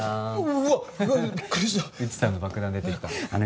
ウチさんの爆弾出てきたの。